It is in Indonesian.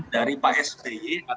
dari pak sby ataupun pdi perjuangan